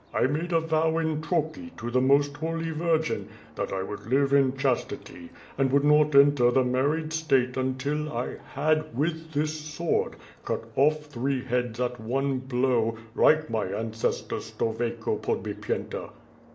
I made a vow in Troki to the Most Holy Virgin, that I would live in chastity, and would not enter the married state until I had, with this sword, cut off three heads at one blow, like my ancestor Stovieko Podbip yenta.